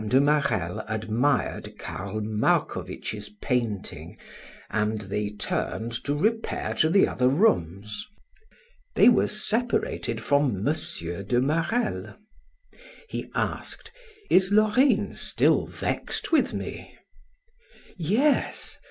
de Marelle admired Karl Marcovitch's painting, and they turned to repair to the other rooms. They were separated from M. de Marelle. He asked: "Is Laurine still vexed with me?" "Yes.